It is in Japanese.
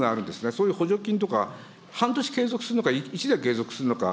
そういう補助金とか、半年継続するのか、１年継続するのか。